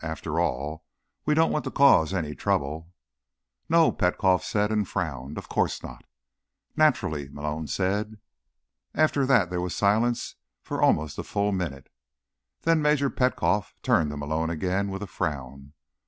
"After all, we don't want to cause any trouble." "No," Petkoff said, and frowned. "Of course not." "Naturally," Malone said. After that, there was silence for almost a full minute. Then Major Petkoff turned to Malone again with a frown.